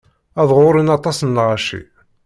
Ad ɣurren aṭas n lɣaci.